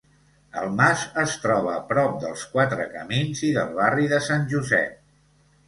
El mas es troba prop dels Quatre Camins i del barri de Sant Josep.